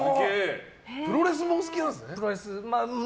プロレスもお好きなんですね。